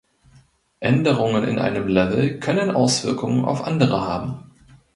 Änderungen in einem Level können Auswirkungen auf andere haben.